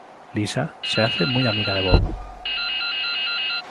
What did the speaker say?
Lisa se hace muy amiga de Bob.